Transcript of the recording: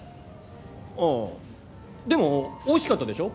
ああでもおいしかったでしょ？